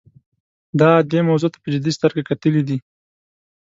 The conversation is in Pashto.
دا دې موضوع ته په جدي سترګه کتلي دي.